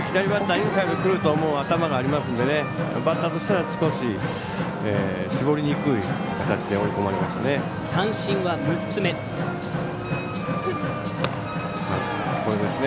インサイドくるという頭がありますのでバッターとしては少し、絞りにくい形で追い込まれましたね。